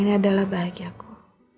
ini adalah bahagia ku